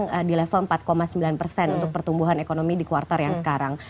kita bisa bertahan sekarang di level empat sembilan untuk pertumbuhan ekonomi di kuartal yang sekarang